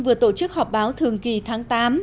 vừa tổ chức họp báo thường kỳ tháng tám